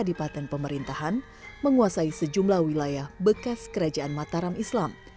ataupun pengadilan penerbangan air menguasai sejumlah wilayah bekas kerajaan mataram islam